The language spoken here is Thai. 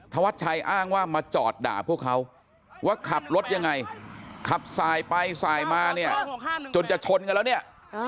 ธวัดชัยอ้างว่ามาจอดด่าพวกเขาว่าขับรถยังไงขับสายไปสายมาเนี่ยจนจะชนกันแล้วเนี่ย